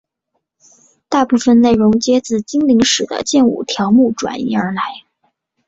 大部分内容皆自精灵使的剑舞条目转移而来。